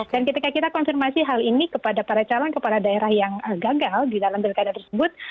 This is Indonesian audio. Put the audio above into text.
dan ketika kita konfirmasi hal ini kepada para calon kepala daerah yang gagal di dalam pilkada tersebut